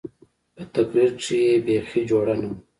په تقرير کښې يې بيخي جوړه نه وه.